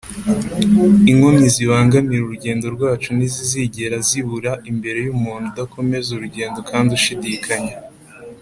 inkomyi zibangamira urugendo rwacu ntizizigera zibura imbere y’umuntu udakomeza urugendo kandi ushidikanya.